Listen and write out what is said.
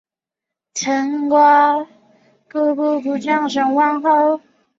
新店线之轨道已经改成汀州路及部分的罗斯福路。